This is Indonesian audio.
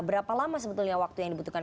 berapa lama sebetulnya waktu yang dibutuhkan